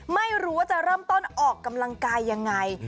ไม่รู้ว่าจะเริ่มต้นออกกำลังกายยังไง